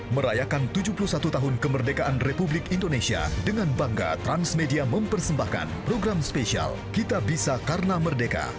merayakan tujuh puluh satu tahun kemerdekaan republik indonesia dengan bangga transmedia mempersembahkan program spesial kita bisa karena merdeka